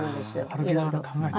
歩きながら考えてた。